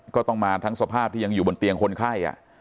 ก็ต้องมาทั้งสภาพที่ยังอยู่บนเตียงคนไข้